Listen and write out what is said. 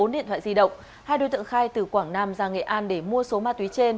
bốn điện thoại di động hai đối tượng khai từ quảng nam ra nghệ an để mua số ma túy trên